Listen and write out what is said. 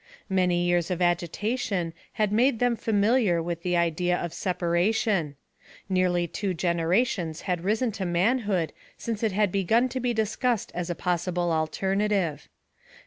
Many years of agitation had made them familiar with the idea of separation. Nearly two generations had risen to manhood since it had begun to be discussed as a possible alternative.